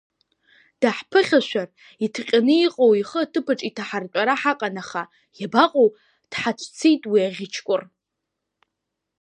Даҳԥыхьашәар, иҭҟьаны иҟоу ихы аҭыԥаҿ иҭаҳартәара ҳаҟан, аха иабаҟоу, дҳацәцеит, уи аӷьычкәр!